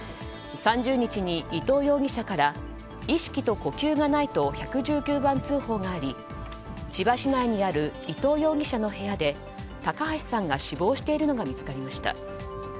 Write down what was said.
３０日に伊東容疑者から意識と呼吸がないと１１９番通報があり千葉市内にある伊東容疑者の部屋で高橋さんが死亡しているのが見つかりました。